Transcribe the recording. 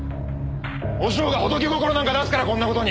お嬢が仏心なんか出すからこんな事に。